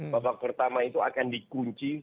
babak pertama itu akan dikunci